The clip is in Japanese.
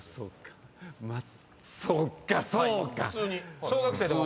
そっかそうか！